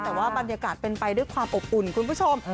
แต่ว่าบรรยากาศเป็นไปด้วยความอบอุ่นคุณผู้ชม